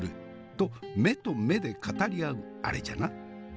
と目と目で語り合うあれじゃな。